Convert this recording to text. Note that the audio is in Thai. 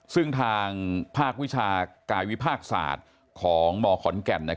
ซึ่งทางภาควิชากายวิภาคศาสตร์ของมขอนแก่น